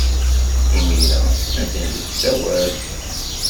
Imir-a, atan deg usawal.